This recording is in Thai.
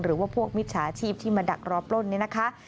หรือว่าพวกมิจฉาชีพที่มาดักรอปล้นนี่นะคะ